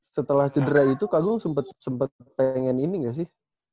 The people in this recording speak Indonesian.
setelah cedera itu kakak gue sempet pengen ini gak sih